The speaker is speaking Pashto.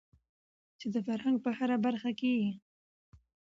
چې د فرهنګ په هره برخه کې يې